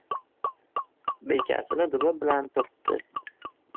Bekasini dumi bilan turtdi.